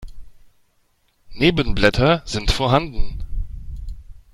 Nebenblätter sind vorhanden.